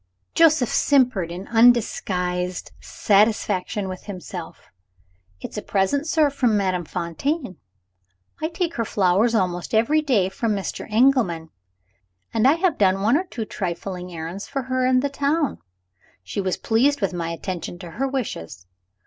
Joseph simpered in undisguised satisfaction with himself. "It's a present, sir, from Madame Fontaine. I take her flowers almost every day from Mr. Engelman, and I have done one or two trifling errands for her in the town. She was pleased with my attention to her wishes.